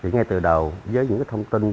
ngay từ đầu với những thông tin